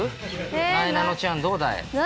なえなのちゃん、どうだい。